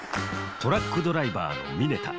トラックドライバーの峯田。